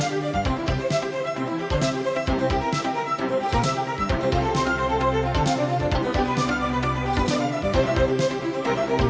hẹn gặp lại